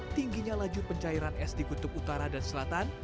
tingginya laju pencairan es di kutub utara dan selatan